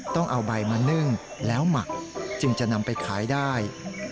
ต้องเอาใบมานึ่งแล้วหมักจึงจะนำไปขายได้